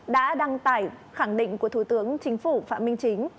đã đăng tải khẳng định của thủ tướng chính phủ phạm minh chính